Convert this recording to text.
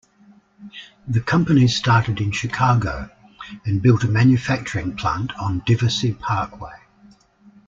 The company started in Chicago and built a manufacturing plant on Diversey Parkway.